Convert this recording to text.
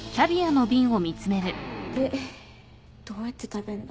でどうやって食べんだ？